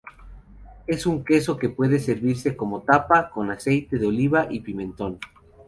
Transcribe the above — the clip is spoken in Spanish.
Es un queso que puede servirse como tapa, con aceite de oliva y pimentón.